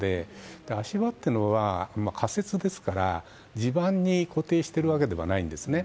足場というのは仮設ですから地盤に固定しているわけではないんですね。